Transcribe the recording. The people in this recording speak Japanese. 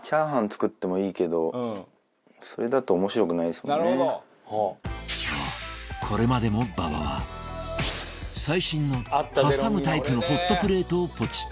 すごいねもうそうこれまでも馬場は最新の挟むタイプのホットプレートをポチって